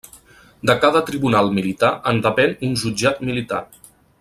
De cada Tribunal Militar en depén un Jutjat Militar.